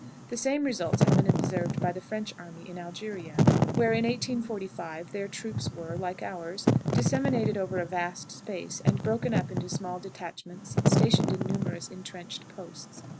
The same results have been observed by the French army in Algeria, where, in 1845, their troops were, like ours, disseminated over a vast space, and broken up into small detachments stationed in numerous intrenched posts.